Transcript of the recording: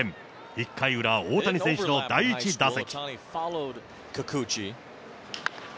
１回裏、大谷選手の第１打席。